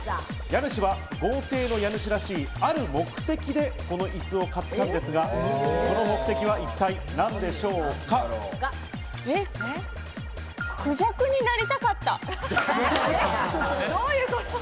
家主は豪邸の家主らしい、ある目的でこの椅子を買ったんですが、その目的はクジャクになりたかった。